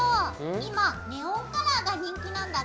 今ネオンカラーが人気なんだって？